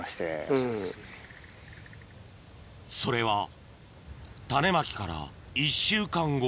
それは種まきから１週間後